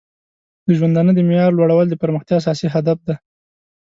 د ژوندانه د معیار لوړول د پرمختیا اساسي هدف دی.